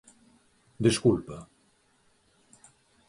Desculpa.